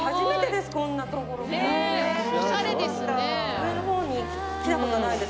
上の方に来た事ないです。